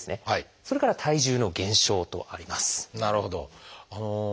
それから「体重の減少」とあります。